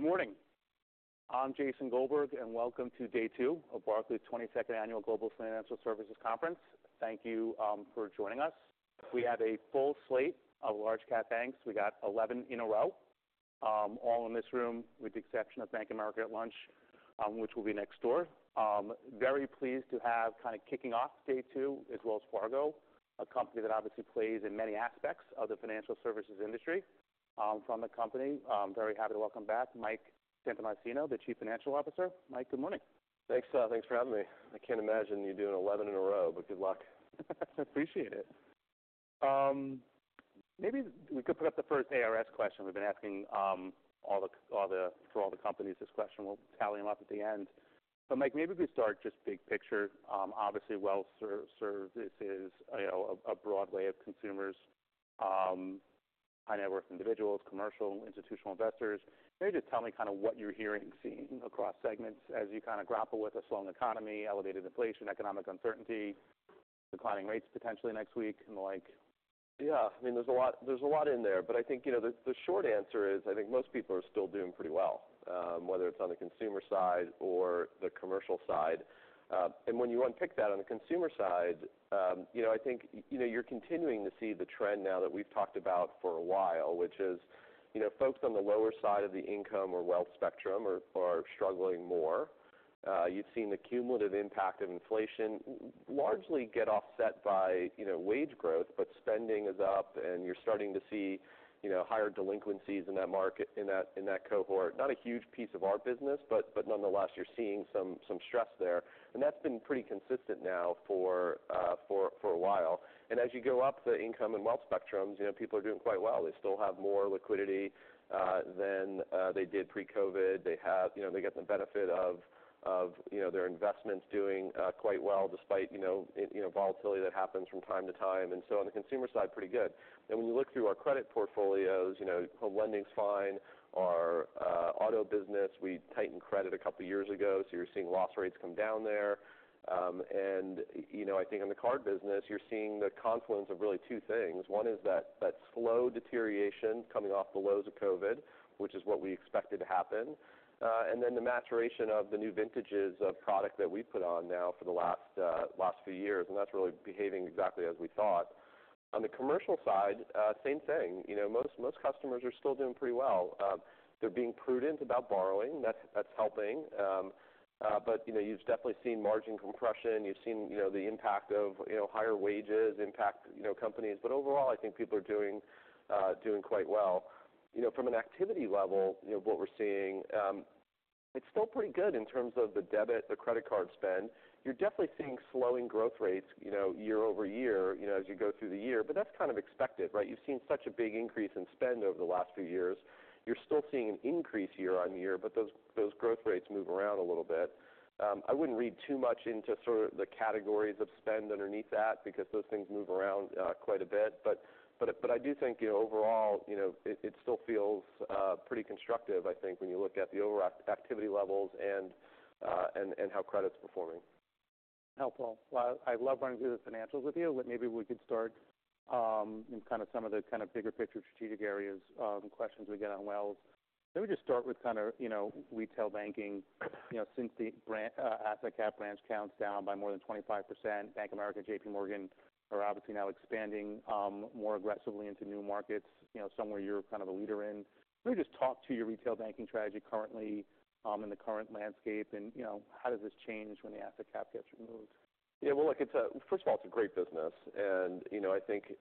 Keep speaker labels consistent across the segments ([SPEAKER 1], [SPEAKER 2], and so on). [SPEAKER 1] Good morning. I'm Jason Goldberg, and welcome to day two of Barclays' twenty-second Annual Global Financial Services Conference. Thank you for joining us. We have a full slate of large-cap banks. We got eleven in a row, all in this room, with the exception of Bank of America at lunch, which will be next door. Very pleased to have kind of kicking off day two is Wells Fargo, a company that obviously plays in many aspects of the financial services industry. From the company, I'm very happy to welcome back Mike Santomassimo, the Chief Financial Officer. Mike, good morning!
[SPEAKER 2] Thanks. Thanks for having me. I can't imagine you doing 11 in a row, but good luck.
[SPEAKER 1] Appreciate it. Maybe we could put up the first ARS question we've been asking all the companies this question. We'll tally them up at the end. But Mike, maybe we start just big picture. Obviously, Wells Fargo serves a broad array of consumers, high-net-worth individuals, commercial, institutional investors. Maybe just tell me kind of what you're hearing and seeing across segments as you kind of grapple with a slowing economy, elevated inflation, economic uncertainty, declining rates potentially next week, and the like.
[SPEAKER 2] Yeah, I mean, there's a lot in there. But I think, you know, the short answer is, I think most people are still doing pretty well, whether it's on the consumer side or the commercial side. And when you unpick that on the consumer side, you know, you're continuing to see the trend now that we've talked about for a while, which is, you know, folks on the lower side of the income or wealth spectrum are struggling more. You've seen the cumulative impact of inflation largely get offset by, you know, wage growth, but spending is up, and you're starting to see, you know, higher delinquencies in that market, in that cohort. Not a huge piece of our business, but nonetheless, you're seeing some stress there, and that's been pretty consistent now for a while, and as you go up the income and wealth spectrums, you know, people are doing quite well. They still have more liquidity than they did pre-COVID. They have, you know, they get the benefit of, you know, their investments doing quite well, despite, you know, volatility that happens from time to time, so on the consumer side, pretty good, then when you look through our credit portfolios, you know, home lending's fine. Our auto business, we tightened credit a couple of years ago, so you're seeing loss rates come down there, and you know, I think in the card business, you're seeing the confluence of really two things. One is that slow deterioration coming off the lows of COVID, which is what we expected to happen, and then the maturation of the new vintages of product that we put on now for the last few years, and that's really behaving exactly as we thought. On the commercial side, same thing. You know, most customers are still doing pretty well. They're being prudent about borrowing, that's helping. But, you know, you've definitely seen margin compression, you've seen, you know, the impact of, you know, higher wages impact, you know, companies. But overall, I think people are doing quite well. You know, from an activity level, you know, what we're seeing, it's still pretty good in terms of the debit, the credit card spend. You're definitely seeing slowing growth rates, you know, year-over-year, you know, as you go through the year, but that's kind of expected, right? You've seen such a big increase in spend over the last few years. You're still seeing an increase year-on-year, but those growth rates move around a little bit. I wouldn't read too much into sort of the categories of spend underneath that because those things move around quite a bit. But I do think, you know, overall, it still feels pretty constructive, I think, when you look at the overall activity levels and how credit's performing.
[SPEAKER 1] Helpful. I love running through the financials with you, but maybe we could start in kind of some of the kind of bigger picture strategic areas of questions we get on Wells. Let me just start with kind of, you know, retail banking. You know, since the asset cap, branch counts down by more than 25%, Bank of America, JPMorgan, are obviously now expanding more aggressively into new markets, you know, somewhere you're kind of a leader in. Can you just talk to your retail banking strategy currently in the current landscape, and, you know, how does this change when the asset cap gets removed?
[SPEAKER 2] Yeah, well, look, it's a first of all, it's a great business, and, you know, I think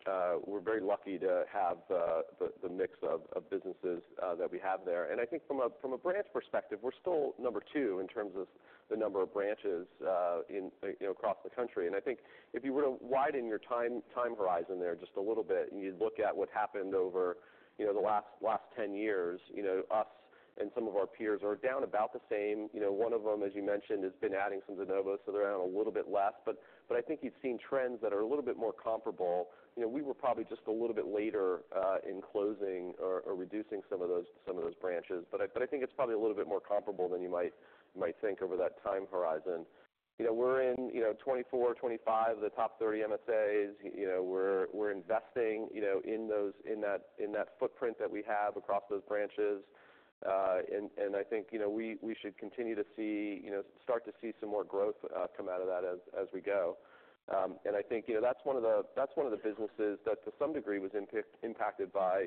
[SPEAKER 2] we're very lucky to have the mix of businesses that we have there, and I think from a branch perspective, we're still number two in terms of the number of branches, you know, across the country. I think if you were to widen your time horizon there just a little bit, and you look at what happened over, you know, the last 10 years, you know, us and some of our peers are down about the same. You know, one of them, as you mentioned, has been adding some de novo, so they're down a little bit less, but I think you've seen trends that are a little bit more comparable. You know, we were probably just a little bit later in closing or reducing some of those branches. But I think it's probably a little bit more comparable than you might think over that time horizon. You know, we're in 24, 25 of the top 30 MSAs. You know, we're investing in that footprint that we have across those branches. And I think, you know, we should continue to start to see some more growth come out of that as we go. And I think, you know, that's one of the businesses that, to some degree, was impacted by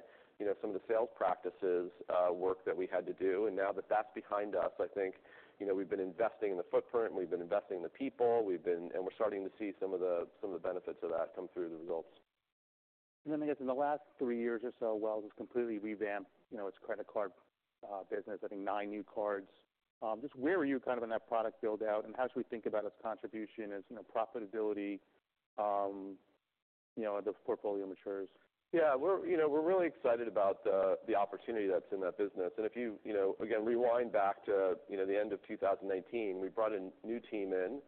[SPEAKER 2] some of the sales practices work that we had to do. And now that that's behind us, I think, you know, we've been investing in the footprint, we've been investing in the people, we've been... And we're starting to see some of the benefits of that come through the results.
[SPEAKER 1] And then, I guess, in the last three years or so, Wells has completely revamped, you know, its credit card business. I think nine new cards. Just where are you kind of in that product build-out, and how should we think about its contribution, its, you know, profitability, you know, as the portfolio matures?
[SPEAKER 2] Yeah, we're, you know, we're really excited about the, the opportunity that's in that business. And if you, you know, again, rewind back to, you know, the end of 2018, we brought a new team in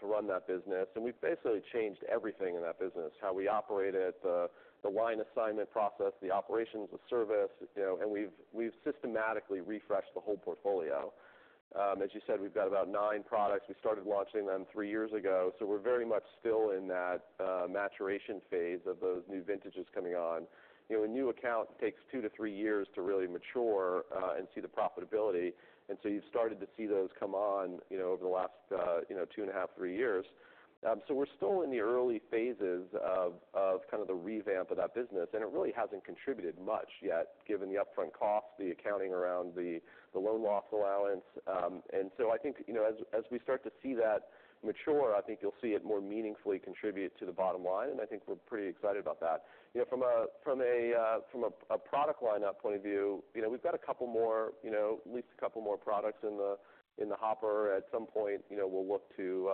[SPEAKER 2] to run that business, and we've basically changed everything in that business. How we operate it, the line assignment process, the operations, the service, you know, and we've systematically refreshed the whole portfolio. As you said, we've got about nine products. We started launching them three years ago, so we're very much still in that maturation phase of those new vintages coming on. You know, a new account takes two to three years to really mature and see the profitability, and so you've started to see those come on, you know, two and a half to three years. So we're still in the early phases of kind of the revamp of that business, and it really hasn't contributed much yet, given the upfront costs, the accounting around the loan loss allowance. And so I think, you know, as we start to see that mature, I think you'll see it more meaningfully contribute to the bottom line, and I think we're pretty excited about that. You know, from a product lineup point of view, you know, we've got at least a couple more products in the hopper. At some point, you know, we'll look to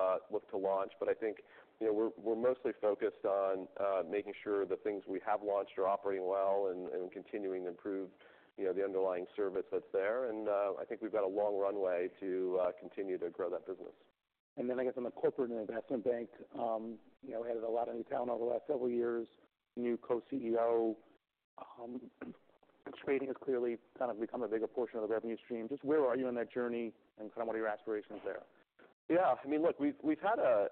[SPEAKER 2] launch. But I think, you know, we're mostly focused on making sure the things we have launched are operating well and continuing to improve, you know, the underlying service that's there. And I think we've got a long runway to continue to grow that business.
[SPEAKER 1] I guess on the corporate and investment bank, you know, we had a lot of new talent over the last several years, new co-CEO. Trading has clearly kind of become a bigger portion of the revenue stream. Just where are you on that journey, and kind of what are your aspirations there?
[SPEAKER 2] Yeah, I mean, look, we've had a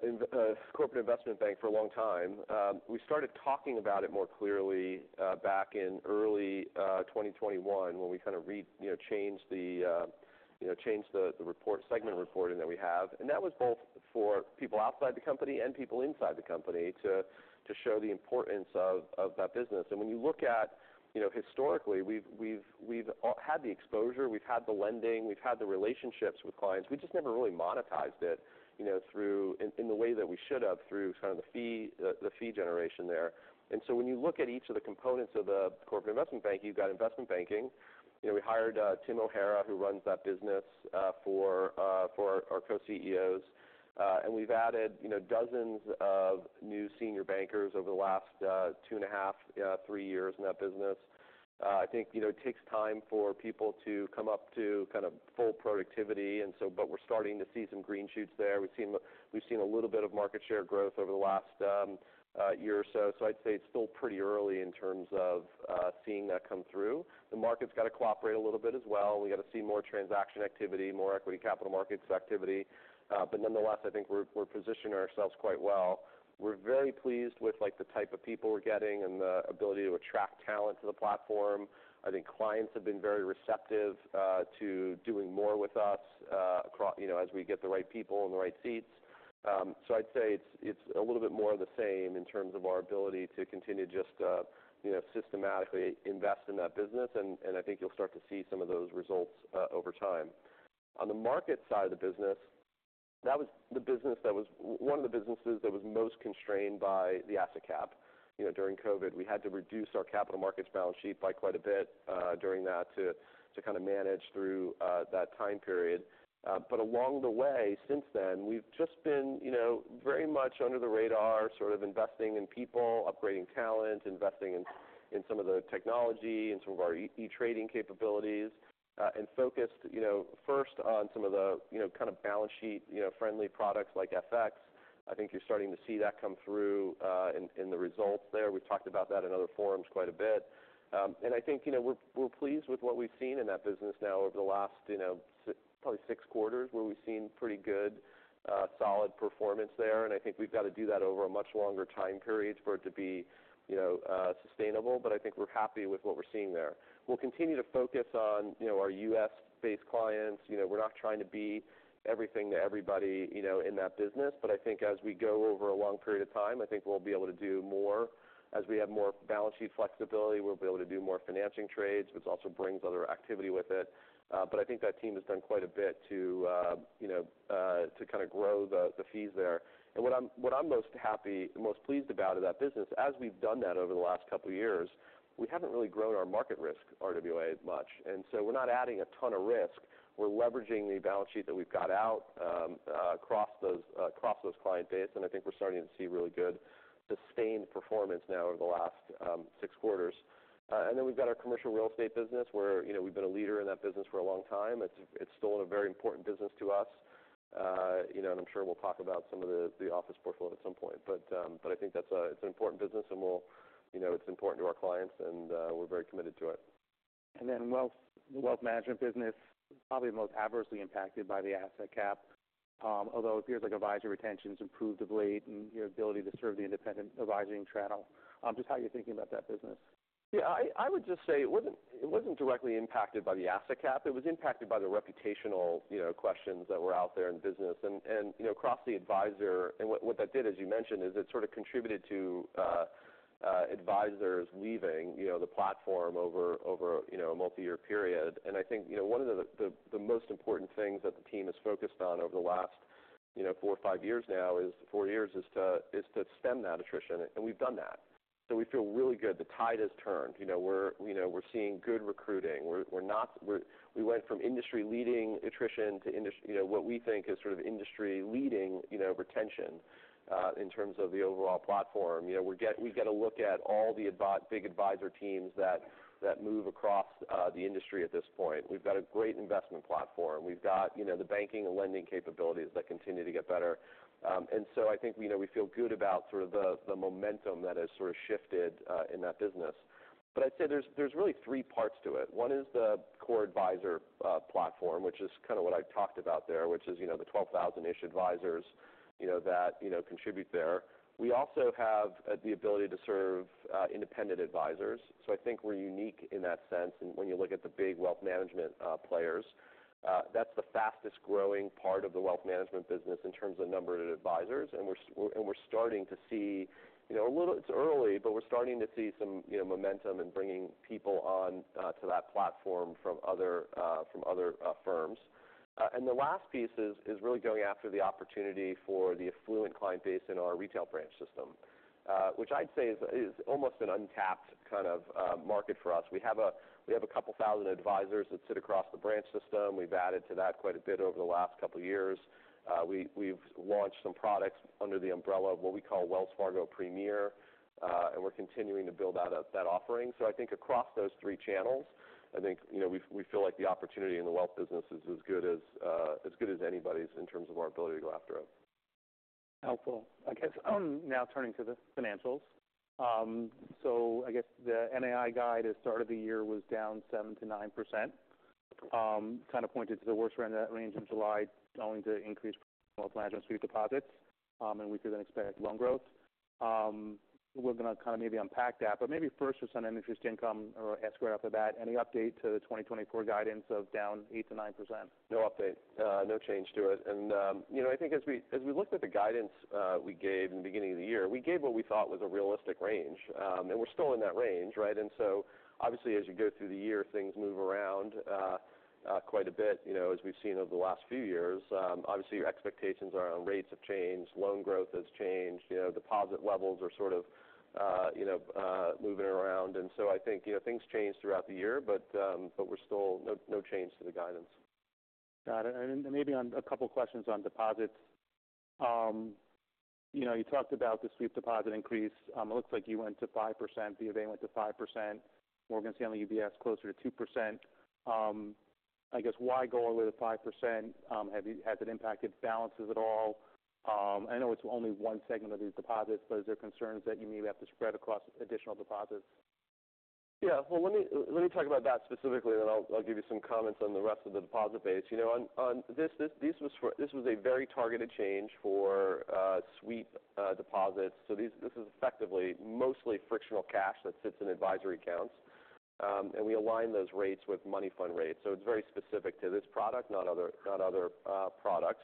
[SPEAKER 2] corporate investment bank for a long time. We started talking about it more clearly back in early 2021, when we kind of, you know, changed the segment reporting that we have. And that was both for people outside the company and people inside the company, to show the importance of that business. And when you look at, you know, historically, we've had the exposure, we've had the lending, we've had the relationships with clients, we just never really monetized it, you know, through in the way that we should have through kind of the fee generation there. And so when you look at each of the components of the corporate investment bank, you've got investment banking. You know, we hired, Tim O'Hara, who runs that business, for our co-CEOs. And we've added, you know, dozens of new senior bankers over the last, two and a half to three years in that business. I think, you know, it takes time for people to come up to kind of full productivity, and but we're starting to see some green shoots there. We've seen a little bit of market share growth over the last, year or so, so I'd say it's still pretty early in terms of, seeing that come through. The market's got to cooperate a little bit as well. We got to see more transaction activity, more equity capital markets activity, but nonetheless, I think we're positioning ourselves quite well. We're very pleased with, like, the type of people we're getting and the ability to attract talent to the platform. I think clients have been very receptive to doing more with us, you know, as we get the right people in the right seats. So I'd say it's a little bit more of the same in terms of our ability to continue just you know, systematically invest in that business, and I think you'll start to see some of those results over time. On the market side of the business, that was one of the businesses that was most constrained by the asset cap. You know, during COVID, we had to reduce our capital markets balance sheet by quite a bit during that to kind of manage through that time period. But along the way, since then, we've just been, you know, very much under the radar, sort of investing in people, upgrading talent, investing in some of the technology and some of our e-trading capabilities. And focused, you know, first on some of the, you know, kind of balance sheet, you know, friendly products like FX. I think you're starting to see that come through, in the results there. We've talked about that in other forums quite a bit. And I think, you know, we're pleased with what we've seen in that business now over the last, you know, probably six quarters, where we've seen pretty good, solid performance there, and I think we've got to do that over a much longer time period for it to be, you know, sustainable. But I think we're happy with what we're seeing there. We'll continue to focus on, you know, our U.S.-based clients. You know, we're not trying to be everything to everybody, you know, in that business, but I think as we go over a long period of time, I think we'll be able to do more. As we have more balance sheet flexibility, we'll be able to do more financing trades, which also brings other activity with it. But I think that team has done quite a bit, you know, to kind of grow the fees there. And what I'm most happy and most pleased about in that business, as we've done that over the last couple of years, we haven't really grown our market risk RWA as much, and so we're not adding a ton of risk. We're leveraging the balance sheet that we've got out across those client base, and I think we're starting to see really good sustained performance now over the last six quarters. And then we've got our commercial real estate business, where, you know, we've been a leader in that business for a long time. It's still a very important business to us. You know, and I'm sure we'll talk about some of the office portfolio at some point, but I think that's an important business, and we'll, you know, it's important to our clients, and we're very committed to it.
[SPEAKER 1] And then wealth management business, probably the most adversely impacted by the asset cap. Although it appears like advisor retention's improved of late and your ability to serve the independent advising channel. Just how are you thinking about that business?
[SPEAKER 2] Yeah. I would just say it wasn't directly impacted by the asset cap. It was impacted by the reputational, you know, questions that were out there in the business. And you know, across the advisor. And what that did, as you mentioned, is it sort of contributed to advisors leaving, you know, the platform over you know, a multi-year period. And I think you know, one of the most important things that the team has focused on over the last you know, four years, is to stem that attrition, and we've done that. So we feel really good. The tide has turned, you know, we're seeing good recruiting. We went from industry-leading attrition to, you know, what we think is sort of industry-leading, you know, retention in terms of the overall platform. You know, we get a look at all the big advisor teams that move across the industry at this point. We've got a great investment platform. We've got, you know, the banking and lending capabilities that continue to get better, and so I think, you know, we feel good about sort of the momentum that has sort of shifted in that business, but I'd say there's really three parts to it. One is the core advisor platform, which is kind of what I've talked about there, which is, you know, the 12,000-ish advisors, you know, that contribute there. We also have the ability to serve independent advisors, so I think we're unique in that sense. And when you look at the big wealth management players, that's the fastest-growing part of the wealth management business in terms of number of advisors. It's early, but we're starting to see some, you know, momentum in bringing people on to that platform from other firms. And the last piece is really going after the opportunity for the affluent client base in our retail branch system, which I'd say is almost an untapped kind of market for us. We have a couple thousand advisors that sit across the branch system. We've added to that quite a bit over the last couple of years. We've launched some products under the umbrella of what we call Wells Fargo Premier, and we're continuing to build out that offering. So I think across those three channels, I think, you know, we feel like the opportunity in the wealth business is as good as anybody's in terms of our ability to go after it.
[SPEAKER 1] Helpful. I guess, now turning to the financials. So I guess the NII guide at start of the year was down 7% to 9%. Kind of pointed to the worst range in July, owing to increased commercial and sweep deposits, and weaker-than-expected loan growth. We're gonna kind of maybe unpack that, but maybe first, just on net interest income, or ask right off the bat, any update to the 2024 guidance of down 8% to 9%?
[SPEAKER 2] No update, no change to it. You know, I think as we looked at the guidance we gave in the beginning of the year, we gave what we thought was a realistic range. We're still in that range, right? Obviously, as you go through the year, things move around quite a bit, you know, as we've seen over the last few years. Obviously, your expectations on rates have changed, loan growth has changed, you know, deposit levels are sort of, you know, moving around. I think, you know, things change throughout the year, but we're still no change to the guidance.
[SPEAKER 1] Got it. And then maybe on a couple questions on deposits. You know, you talked about the sweep deposit increase. It looks like you went to 5%, [00:14:24] went to 5%, Morgan Stanley, UBS, closer to 2%. I guess, why go all the way to 5%? Has it impacted balances at all? I know it's only one segment of these deposits, but is there concerns that you may have to spread across additional deposits?
[SPEAKER 2] Yeah. Well, let me talk about that specifically, then I'll give you some comments on the rest of the deposit base. You know, on this, this was a very targeted change for sweep deposits. So this is effectively mostly frictional cash that sits in advisory accounts. And we align those rates with money fund rates, so it's very specific to this product, not other products.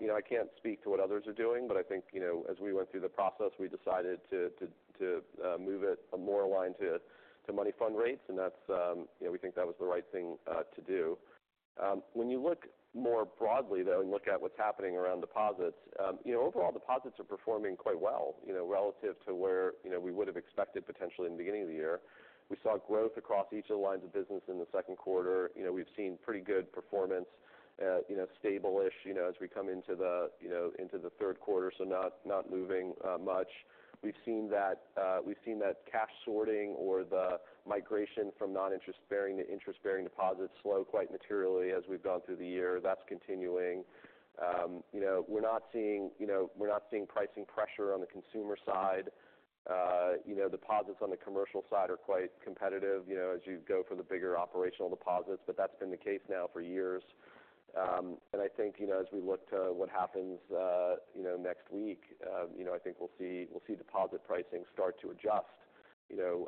[SPEAKER 2] You know, I can't speak to what others are doing, but I think, you know, as we went through the process, we decided to move it more aligned to money fund rates, and you know, we think that was the right thing to do. When you look more broadly, though, and look at what's happening around deposits, you know, overall, deposits are performing quite well, you know, relative to where, you know, we would have expected potentially in the beginning of the year. We saw growth across each of the lines of business in the Q2. You know, we've seen pretty good performance, stable-ish, you know, as we come into the Q3, so not moving much. We've seen that cash sorting or the migration from non-interest-bearing to interest-bearing deposits slow quite materially as we've gone through the year. That's continuing. You know, we're not seeing pricing pressure on the consumer side. You know, deposits on the commercial side are quite competitive, you know, as you go for the bigger operational deposits, but that's been the case now for years, and I think, you know, as we look to what happens, you know, next week, you know, I think we'll see deposit pricing start to adjust, you know,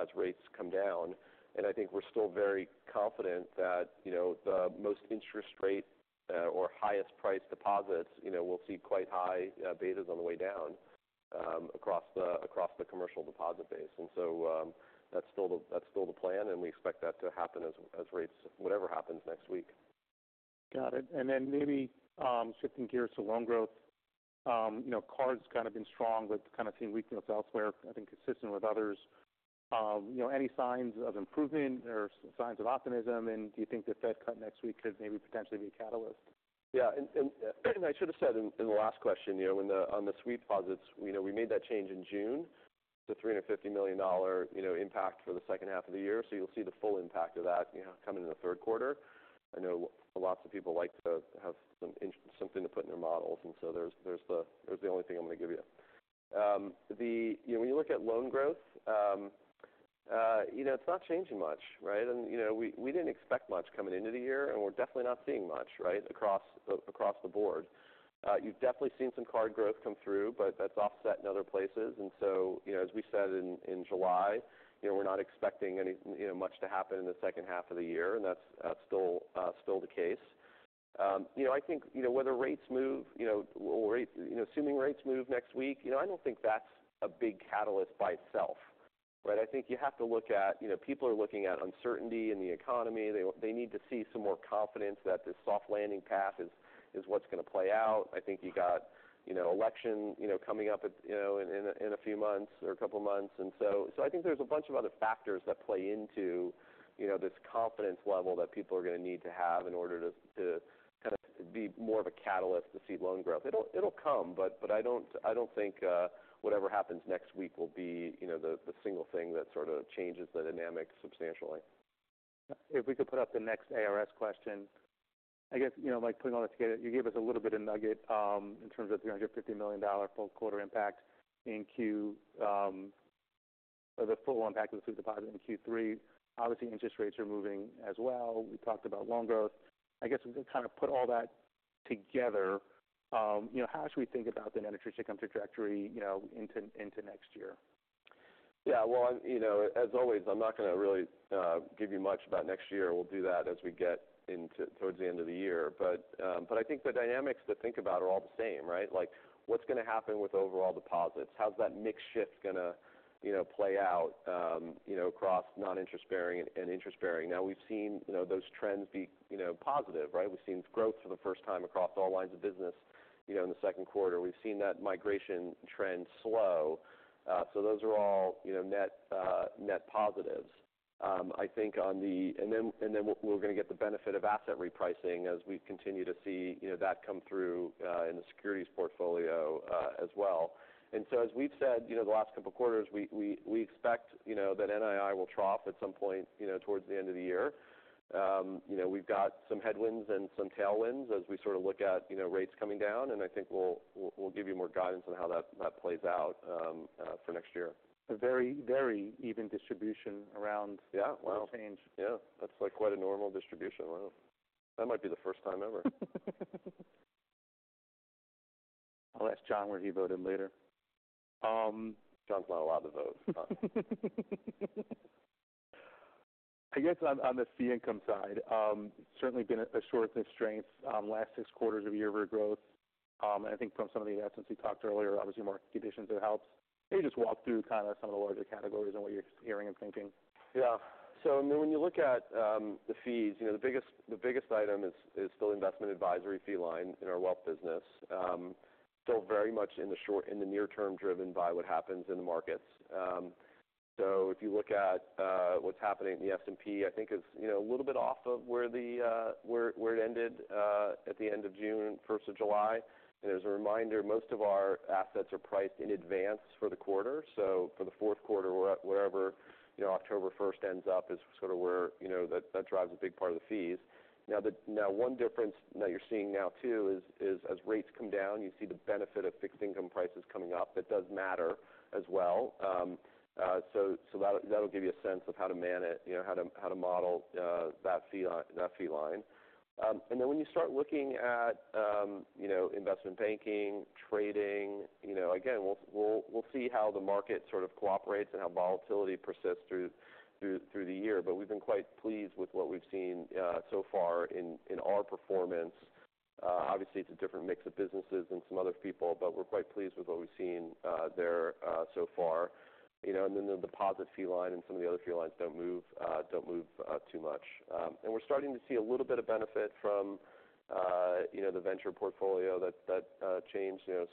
[SPEAKER 2] as rates come down, and I think we're still very confident that, you know, the most interest rate, or highest priced deposits, you know, will see quite high betas on the way down, across the commercial deposit base, and so, that's still the plan, and we expect that to happen as rates, whatever happens next week.
[SPEAKER 1] Got it, and then maybe, shifting gears to loan growth. You know, cards kind of been strong, but kind of seen weakness elsewhere, I think consistent with others. You know, any signs of improvement or signs of optimism, and do you think the Fed cut next week could maybe potentially be a catalyst?
[SPEAKER 2] Yeah, and I should have said in the last question, you know, when on the sweep deposits, you know, we made that change in June, the $350 million impact for the second half of the year. So you'll see the full impact of that, you know. coming to the Q3, I know lots of people like to have something to put in their models, and so there's the only thing I'm going to give you. You know, when you look at loan growth, you know, it's not changing much, right? And, you know, we didn't expect much coming into the year, and we're definitely not seeing much, right, across the board. You've definitely seen some card growth come through, but that's offset in other places. And so, you know, as we said in July, you know, we're not expecting, you know, much to happen in the second half of the year, and that's still the case. You know, I think, you know, whether assuming rates move next week, you know, I don't think that's a big catalyst by itself, right? I think you have to look at, you know, people are looking at uncertainty in the economy. They need to see some more confidence that this soft landing path is what's going to play out. I think you got, you know, election, you know, coming up, you know, in a few months or a couple of months. I think there's a bunch of other factors that play into, you know, this confidence level that people are going to need to have in order to kind of be more of a catalyst to see loan growth. It'll come, but I don't think whatever happens next week will be, you know, the single thing that sort of changes the dynamics substantially.
[SPEAKER 1] If we could put up the next ARS question. I guess, you know, like putting all this together, you gave us a little bit of nugget, in terms of the $150 million full impact of the fee deposit in Q3. Obviously, interest rates are moving as well. We talked about loan growth. I guess, we kind of put all that together, you know, how should we think about the net interest income trajectory, you know, into next year?
[SPEAKER 2] Yeah, well, you know, as always, I'm not gonna really give you much about next year. We'll do that as we get into towards the end of the year. But, but I think the dynamics to think about are all the same, right? Like, what's gonna happen with overall deposits? How's that mix shift gonna, you know, play out, you know, across non-interest bearing and interest bearing? Now, we've seen, you know, those trends be, you know, positive, right? We've seen growth for the first time across all lines of business, you know, in the Q2, we've seen that migration trend slow. So those are all, you know, net positives. And then we're gonna get the benefit of asset repricing as we continue to see, you know, that come through in the securities portfolio as well. And so, as we've said, you know, the last couple of quarters, we expect, you know, that NII will trough at some point, you know, towards the end of the year. You know, we've got some headwinds and some tailwinds as we sort of look at, you know, rates coming down, and I think we'll give you more guidance on how that plays out for next year.
[SPEAKER 1] A very, very even distribution around.
[SPEAKER 2] Yeah. Well!
[SPEAKER 1] No change.
[SPEAKER 2] Yeah, that's like quite a normal distribution. Wow. That might be the first time ever.
[SPEAKER 1] I'll ask John where he voted later.
[SPEAKER 2] John's not allowed to vote.
[SPEAKER 1] I guess on the fee income side, certainly been a source of strength last six quarters of year-over-year growth. I think from some of the assets we talked earlier, obviously, market conditions have helped. Can you just walk through kind of some of the larger categories and what you're hearing and thinking?
[SPEAKER 2] Yeah. So, I mean, when you look at the fees, you know, the biggest item is still investment advisory fee line in our wealth business. Still very much in the near term, driven by what happens in the markets. So if you look at what's happening in the S&P, I think it's, you know, a little bit off of where it ended at the end of June, first of July. And as a reminder, most of our assets are priced in advance for the quarter. So for the Q4, whatever October first ends up is sort of where that drives a big part of the fees. Now, one difference that you're seeing now, too, is as rates come down, you see the benefit of fixed income prices coming up. It does matter as well. So that'll give you a sense of how to model that fee line. And then when you start looking at, you know, investment banking, trading, you know, again, we'll see how the market sort of cooperates and how volatility persists through the year. But we've been quite pleased with what we've seen so far in our performance. Obviously, it's a different mix of businesses than some other people, but we're quite pleased with what we've seen there so far. You know, and then the deposit fee line and some of the other fee lines don't move too much, and we're starting to see a little bit of benefit from, you know, the venture portfolio that changed. You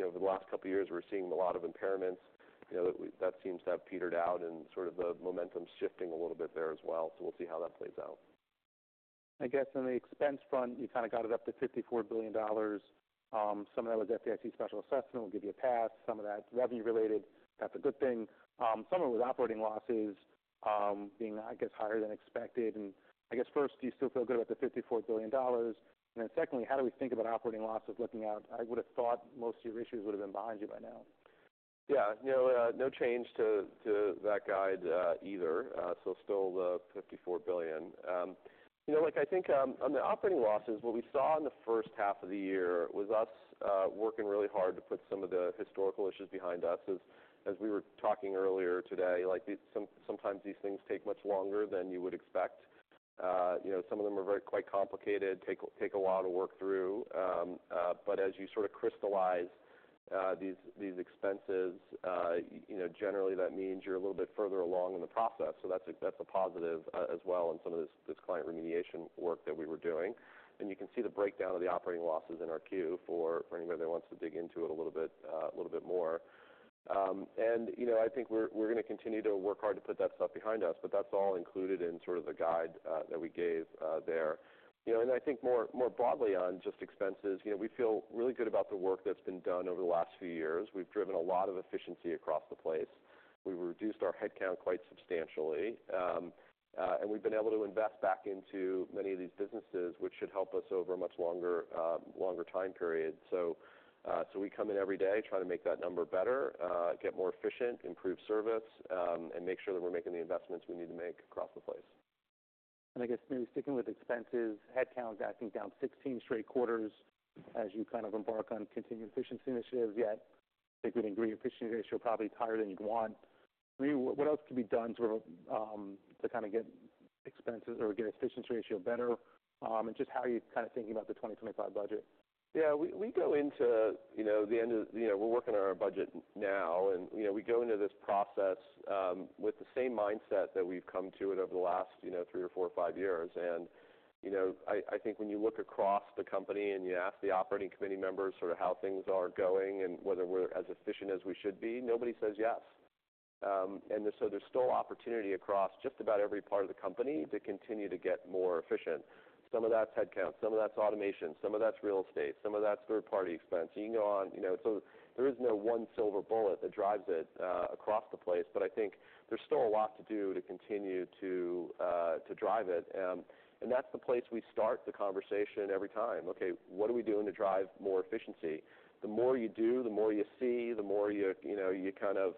[SPEAKER 2] know, over the last couple of years, we're seeing a lot of impairments, you know, that seems to have petered out and sort of the momentum shifting a little bit there as well, so we'll see how that plays out.
[SPEAKER 1] I guess on the expense front, you kind of got it up to $54 billion. Some of that was FDIC special assessment; we'll give you a pass. Some of that's revenue related; that's a good thing. Some of it was operating losses, I guess, higher than expected. I guess first, do you still feel good about the $54 billion? Then secondly, how do we think about operating losses looking out? I would have thought most of your issues would have been behind you by now.
[SPEAKER 2] Yeah. You know, no change to that guide either. So still the $54 billion. You know, like, I think on the operating losses, what we saw in the first half of the year was us working really hard to put some of the historical issues behind us. As we were talking earlier today, like, sometimes these things take much longer than you would expect. You know, some of them are very quite complicated, take a while to work through. But as you sort of crystallize these expenses, you know, generally, that means you're a little bit further along in the process. So that's a positive as well in some of this client remediation work that we were doing. And you can see the breakdown of the operating losses in our Q4 for anybody that wants to dig into it a little bit more. And you know, I think we're gonna continue to work hard to put that stuff behind us, but that's all included in sort of the guide that we gave there. You know, and I think more broadly on just expenses, you know, we feel really good about the work that's been done over the last few years. We've driven a lot of efficiency across the place. We've reduced our headcount quite substantially, and we've been able to invest back into many of these businesses, which should help us over a much longer time period. So, we come in every day, try to make that number better, get more efficient, improve service, and make sure that we're making the investments we need to make across the place.
[SPEAKER 1] And I guess maybe sticking with expenses, headcount is, I think, down 16 straight quarters as you kind of embark on continued efficiency initiatives. Yet, I think we'd agree your efficiency ratio is probably higher than you'd want. I mean, what else can be done to kind of get expenses or get efficiency ratio better? And just how are you kind of thinking about the 2025 budget?
[SPEAKER 2] Yeah, we're working on our budget now, and, you know, we go into this process with the same mindset that we've come to it over the last, you know, three or four or five years. And, you know, I think when you look across the company and you ask the operating committee members sort of how things are going and whether we're as efficient as we should be, nobody says yes and so there's still opportunity across just about every part of the company to continue to get more efficient. Some of that's headcount, some of that's automation, some of that's real estate, some of that's third-party expense. You can go on, you know, so there is no one silver bullet that drives it across the place, but I think there's still a lot to do to continue to drive it. And that's the place we start the conversation every time. Okay, what are we doing to drive more efficiency? The more you do, the more you see, the more you know you kind of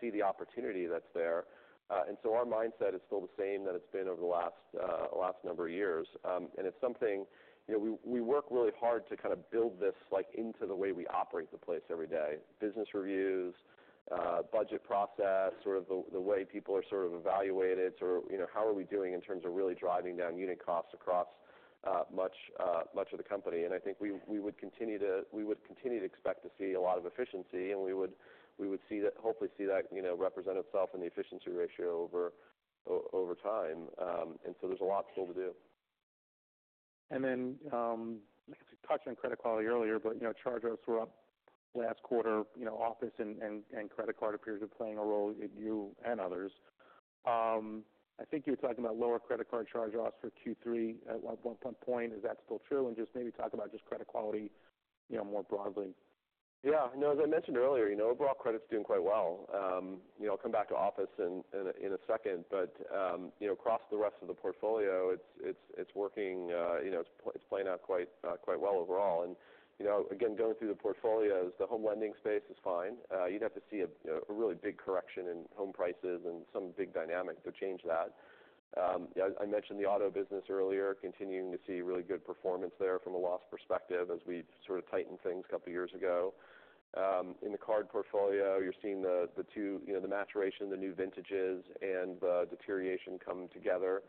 [SPEAKER 2] see the opportunity that's there. And so our mindset is still the same that it's been over the last number of years. And it's something, you know, we work really hard to kind of build this, like, into the way we operate the place every day. Business reviews, budget process, sort of the way people are sort of evaluated, sort of, you know, how are we doing in terms of really driving down unit costs across much of the company? And I think we would continue to expect to see a lot of efficiency, and we would hopefully see that, you know, represent itself in the efficiency ratio over time. And so there's a lot still to do.
[SPEAKER 1] And then, I guess you touched on credit quality earlier, but, you know, charge-offs were up last quarter. You know, office and credit card appear to be playing a role in you and others. I think you were talking about lower credit card charge-offs for Q3 at one point. Is that still true? And just maybe talk about just credit quality, you know, more broadly.
[SPEAKER 2] Yeah. As I mentioned earlier, you know, overall credit is doing quite well. You know, I'll come back to office in a second, but, you know, across the rest of the portfolio, it's working. You know, it's playing out quite well overall. You know, again, going through the portfolios, the home lending space is fine. You'd have to see a, you know, a really big correction in home prices and some big dynamic to change that. I mentioned the auto business earlier, continuing to see really good performance there from a loss perspective as we sort of tightened things a couple years ago. In the card portfolio, you're seeing the two, you know, the maturation, the new vintages, and deterioration coming together.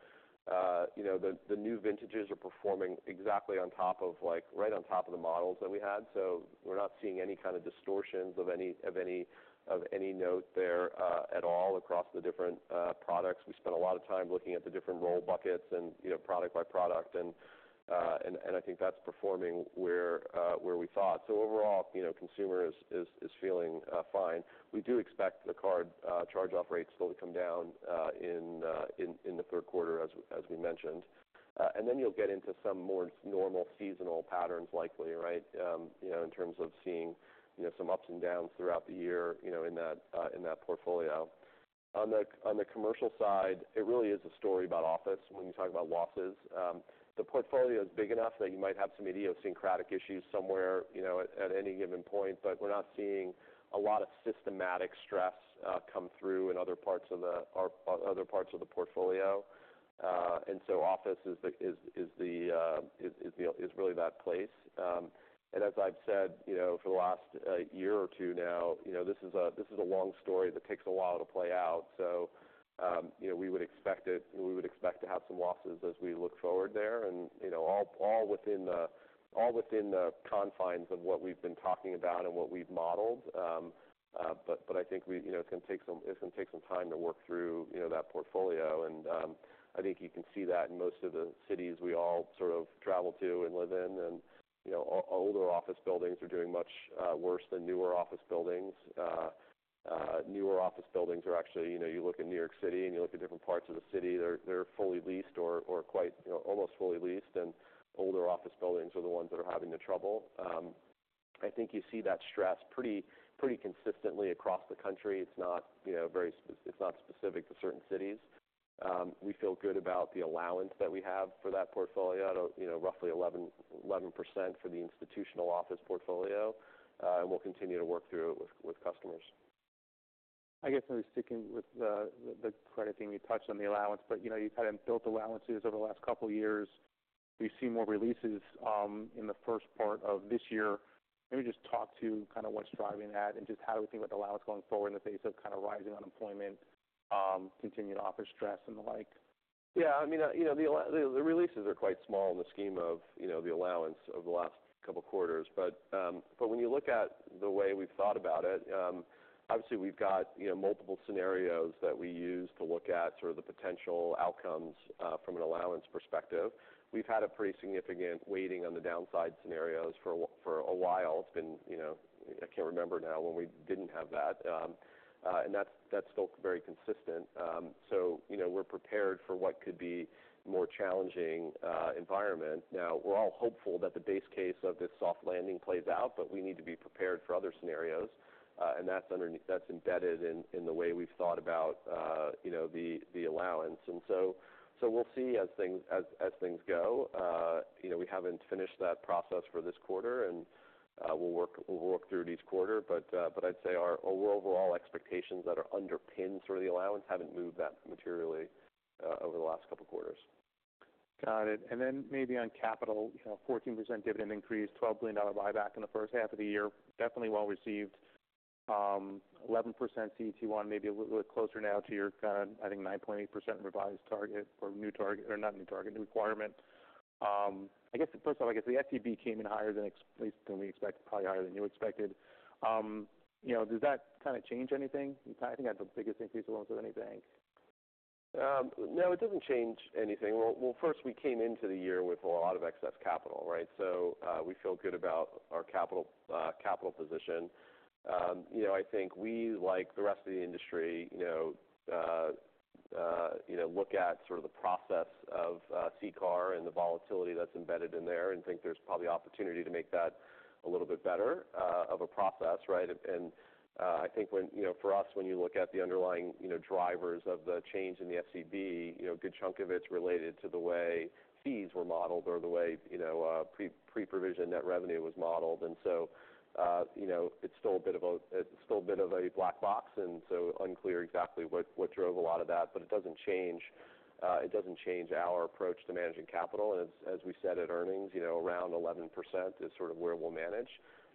[SPEAKER 2] You know, the new vintages are performing exactly right on top of the models that we had. So we're not seeing any kind of distortions of any note there at all across the different products. We spent a lot of time looking at the different roll buckets and, you know, product by product, and I think that's performing where we thought. So overall, you know, consumer is feeling fine. We do expect the card charge-off rate still to come down in the Q3, as we mentioned, and then you'll get into some more normal seasonal patterns, likely, right? You know, in terms of seeing, you know, some ups and downs throughout the year, you know, in that portfolio. On the commercial side, it really is a story about office when you talk about losses. The portfolio is big enough that you might have some idiosyncratic issues somewhere, you know, at any given point, but we're not seeing a lot of systematic stress come through in other parts of the portfolio. And so office is really that place. And as I've said, you know, for the last year or two now, you know, this is a long story that takes a while to play out. So, you know, we would expect to have some losses as we look forward there and, you know, all within the confines of what we've been talking about and what we've modeled. But I think we, you know, it's going to take some time to work through, you know, that portfolio. And I think you can see that in most of the cities we all sort of travel to and live in, and, you know, older office buildings are doing much worse than newer office buildings. Newer office buildings are actually, you know, you look in New York City, and you look at different parts of the city, they're almost fully leased, and older office buildings are the ones that are having the trouble. I think you see that stress pretty consistently across the country. It's not specific to certain cities. We feel good about the allowance that we have for that portfolio, you know, roughly 11% for the institutional office portfolio. And we'll continue to work through it with customers.
[SPEAKER 1] I guess maybe sticking with the credit theme, you touched on the allowance, but you know, you kind of built allowances over the last couple of years. We've seen more releases in the first part of this year. Maybe just talk to kind of what's driving that and just how we think about allowance going forward in the face of kind of rising unemployment, continuing office stress and the like?
[SPEAKER 2] Yeah, I mean, you know, the releases are quite small in the scheme of, you know, the allowance over the last couple quarters. But, when you look at the way we've thought about it, obviously, we've got, you know, multiple scenarios that we use to look at sort of the potential outcomes from an allowance perspective. We've had a pretty significant weighting on the downside scenarios for a while. I can't remember now when we didn't have that. And that's still very consistent. So you know, we're prepared for what could be more challenging environment. Now, we're all hopeful that the base case of this soft landing plays out, but we need to be prepared for other scenarios. And that's underneath, that's embedded in the way we've thought about, you know, the allowance. And so we'll see as things go. You know, we haven't finished that process for this quarter, and we'll work through it each quarter. But I'd say our overall expectations that are underpinned through the allowance haven't moved that materially over the last couple quarters.
[SPEAKER 1] Got it. And then maybe on capital, you know, 14% dividend increase, $12 billion buyback in the first half of the year, definitely well received. 11% CET1, maybe a little bit closer now to your, I think, 9.8% revised target or new requirement. First, I guess the SCB came in probably higher than you expected. You know, does that kind of change anything? I think it had the biggest increase alone or so anything.
[SPEAKER 2] No, it doesn't change anything. First, we came into the year with a lot of excess capital, right? So, we feel good about our capital, capital position. You know, I think we, like the rest of the industry, you know, look at sort of the process of CCAR and the volatility that's embedded in there, and think there's probably opportunity to make that a little bit better of a process, right? I think when, you know, for us, when you look at the underlying, you know, drivers of the change in the SCB, you know, a good chunk of it's related to the way fees were modeled or the way, you know, pre-provision net revenue was modeled. And so, you know, it's still a bit of a black box, and so unclear exactly what drove a lot of that, but it doesn't change our approach to managing capital. And as we said, at earnings, you know, around 11% is sort of where we'll manage.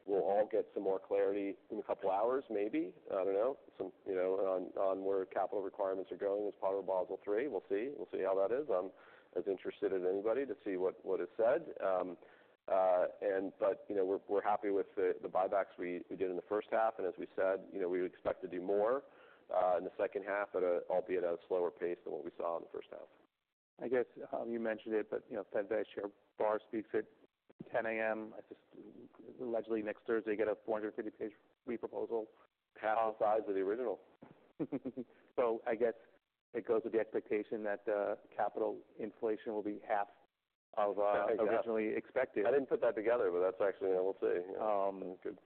[SPEAKER 2] We'll all get some more clarity in a couple hours, maybe. I don't know. Some, you know, on where capital requirements are going as part of Basel III. We'll see how that is. I'm as interested as anybody to see what is said. But, you know, we're happy with the buybacks we did in the first half, and as we said, you know, we would expect to do more in the second half, albeit at a slower pace than what we saw in the first half.
[SPEAKER 1] I guess, you mentioned it, but, you know, Fed Vice Chair Barr speaks at 10 A.M. I just allegedly next Thursday, get a 450-page re-proposal.
[SPEAKER 2] Half the size of the original.
[SPEAKER 1] So I guess it goes with the expectation that, capital inflation will be half of originally expected.
[SPEAKER 2] Uh, yeah I didn't put that together, but that's actually we'll see. Good.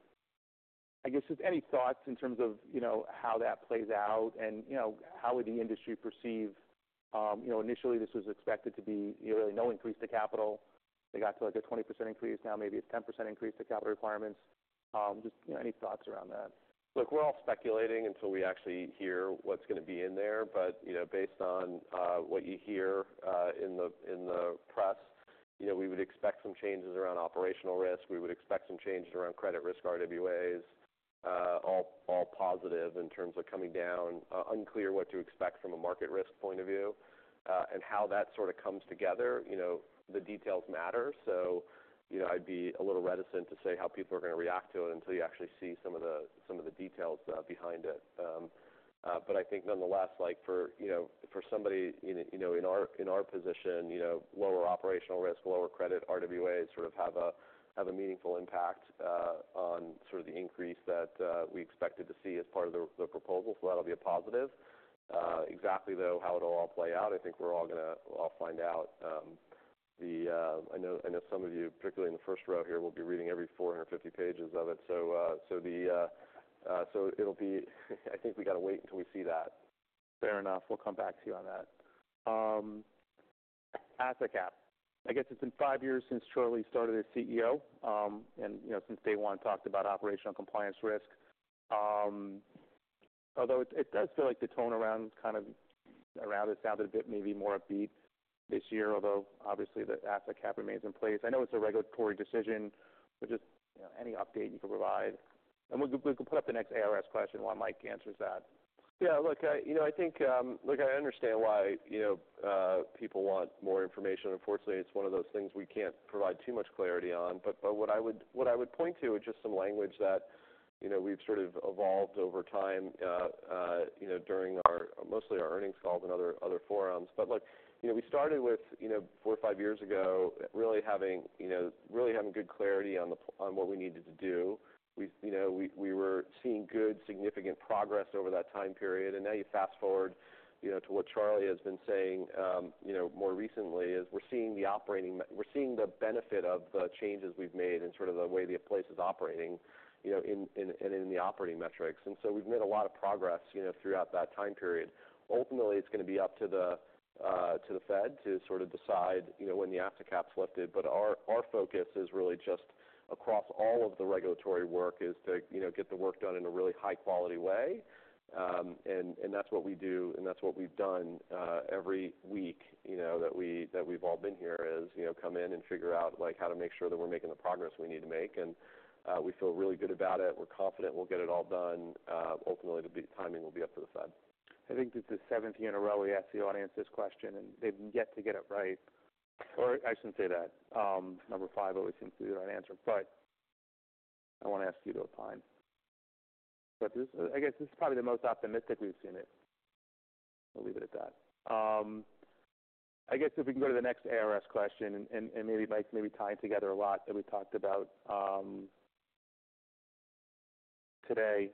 [SPEAKER 1] I guess, just any thoughts in terms of, you know, how that plays out and, you know, how would the industry perceive... You know, initially this was expected to be, you know, really no increase to capital. They got to, like, a 20% increase, now maybe a 10% increase to capital requirements. Just, you know, any thoughts around that?
[SPEAKER 2] Look, we're all speculating until we actually hear what's gonna be in there. But, you know, based on what you hear in the press, you know, we would expect some changes around operational risk. We would expect some changes around credit risk, RWAs, all positive in terms of coming down. Unclear what to expect from a market risk point of view, and how that sort of comes together. You know, the details matter, so, you know, I'd be a little reticent to say how people are gonna react to it until you actually see some of the details behind it. But I think nonetheless, you know, for somebody in our position, you know, lower operational risk, lower credit RWAs sort of have a meaningful impact on sort of the increase that we expected to see as part of the proposal. So that'll be a positive. Exactly, though, how it'll all play out, I think we're all gonna find out. I know some of you, particularly in the first row here, will be reading every 450 pages of it. So, I think we gotta wait until we see that.
[SPEAKER 1] Fair enough. We'll come back to you on that. Asset cap. I guess it's been five years since Charlie started as CEO, and you know, since day one, talked about operational compliance risk. Although it does feel like the tone around kind of it sounded a bit, maybe more upbeat this year, although obviously, the asset cap remains in place. I know it's a regulatory decision, but just, you know, any update you can provide? And we can put up the next ARS question while Mike answers that.
[SPEAKER 2] Yeah, you know, I think, look, I understand why, you know, people want more information. Unfortunately, it's one of those things we can't provide too much clarity on. But what I would point to is just some language that, you know, we've sort of evolved over time, you know, during mostly our earnings calls and other forums. But look, you know, we started with, you know, four or five years ago, really having good clarity on what we needed to do. We, you know, were seeing good, significant progress over that time period. And now you fast-forward, you know, to what Charlie has been saying, you know, more recently, we're seeing the benefit of the changes we've made and sort of the way the place is operating, you know, in the operating metrics. And so we've made a lot of progress, you know, throughout that time period. Ultimately, it's gonna be up to the to the Fed to sort of decide, you know, when the asset cap's lifted. But our focus is really just across all of the regulatory work, is to, you know, get the work done in a really high-quality way. That's what we do, and that's what we've done every week, you know, that we've all been here, you know, come in and figure out, like, how to make sure that we're making the progress we need to make. We feel really good about it. We're confident we'll get it all done. Ultimately, the timing will be up to the Fed.
[SPEAKER 1] I think this is the seventeenth in a row, we ask the audience this question, and they've yet to get it right, or I shouldn't say that. Number five always seems to be the right answer, but I want to ask you to opine. But this, I guess this is probably the most optimistic we've seen it. We'll leave it at that. I guess if we can go to the next ARS question and Mike, maybe tying together a lot that we talked about today.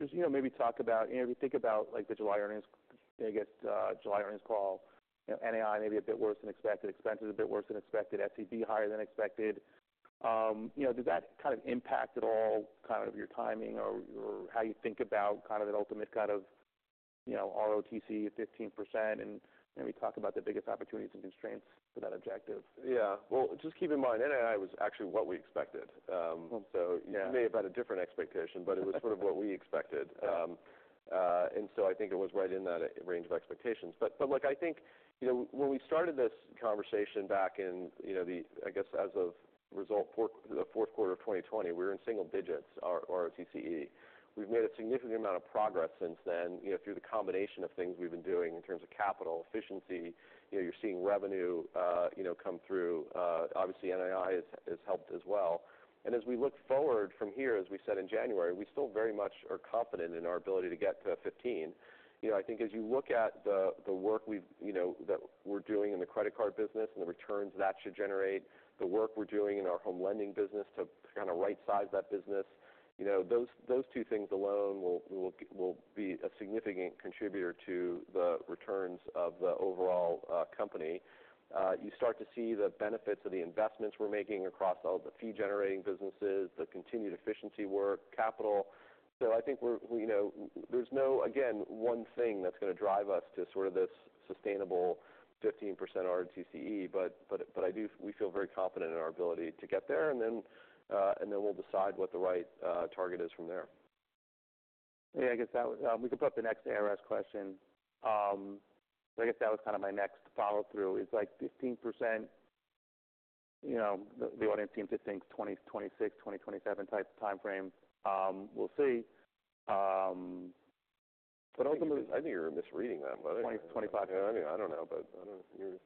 [SPEAKER 1] Just, you know, maybe talk about, you know, we think about, like, the July earnings, I guess, July earnings call. NII may be a bit worse than expected, expenses a bit worse than expected, SCB higher than expected. You know, did that kind of impact at all, kind of your timing or how you think about kind of the ultimate kind of ROTCE at 15%? And, you know, we talked about the biggest opportunities and constraints for that objective.
[SPEAKER 2] Yeah, well, just keep in mind, NII was actually what we expected.
[SPEAKER 1] Yeah
[SPEAKER 2] You may have had a different expectation, but it was sort of what we expected.
[SPEAKER 1] Yeah.
[SPEAKER 2] So I think it was right in that range of expectations. But look, I think, when we started this conversation back in, you know, the Q4 of 2020, we were in single digits, our ROTCE. We've made a significant amount of progress since then, you know, through the combination of things we've been doing in terms of capital efficiency. You know, you're seeing revenue, you know, come through. Obviously, NII has helped as well. And as we look forward from here, as we said in January, we still very much are confident in our ability to get to 15. You know, I think as you look at the work we're doing in the credit card business and the returns that should generate, the work we're doing in our home lending business to kind of right-size that business, you know, those two things alone will be a significant contributor to the returns of the overall company. You start to see the benefits of the investments we're making across all the fee-generating businesses, the continued efficiency work, capital. So I think, you know, there's no, again, one thing that's going to drive us to sort of this sustainable 15% ROTCE, but we feel very confident in our ability to get there. And then we'll decide what the right target is from there.
[SPEAKER 1] Yeah, I guess that was. We can put up the next ARS question. So I guess that was kind of my next follow-through, is like 15%, you know, the audience seems to think 2026, 2027 type timeframe. We'll see.
[SPEAKER 2] But ultimately, I think you're misreading that
[SPEAKER 1] 2025.
[SPEAKER 2] Yeah. I mean, I don't know, but I don't know if you...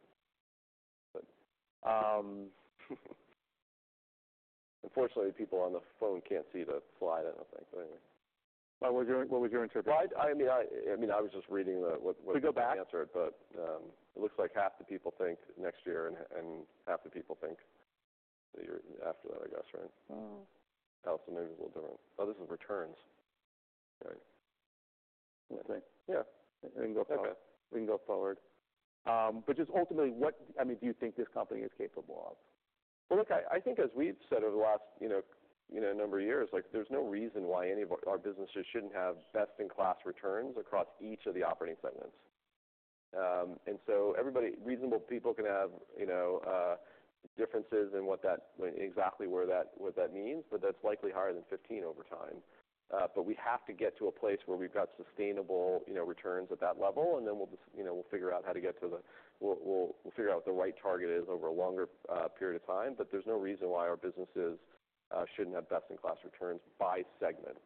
[SPEAKER 2] Unfortunately, people on the phone can't see the slide, I don't think, but anyway.
[SPEAKER 1] What was your interpretation? Can we go back?
[SPEAKER 2] - I mean, I was just reading the, what the answer, but, it looks like half the people think next year and half the people think the year after that, I guess, right? Also, maybe a little different or this is returns. Right. I think.
[SPEAKER 1] Yeah.
[SPEAKER 2] We can go forward.
[SPEAKER 1] But just ultimately, what? I mean, do you think this company is capable of?
[SPEAKER 2] Well, look, I think as we've said over the last, you know, number of years, like, there's no reason why any of our businesses shouldn't have best-in-class returns across each of the operating segments. And so everybody, reasonable people can have, you know, differences in exactly what that means, but that's likely higher than 15 over time. But we have to get to a place where we've got sustainable, you know, returns at that level, and then we'll just, you know, we'll figure out what the right target is over a longer period of time, but there's no reason why our businesses shouldn't have best-in-class returns by segment.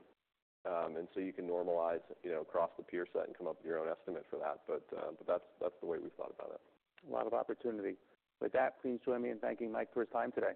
[SPEAKER 2] And so you can normalize, you know, across the peer set and come up with your own estimate for that. But that's the way we've thought about it.
[SPEAKER 1] A lot of opportunity. With that, please join me in thanking Mike for his time today.